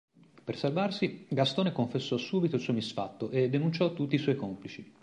Per salvarsi, Gastone confessò subito il suo misfatto e denunciò tutti i suoi complici.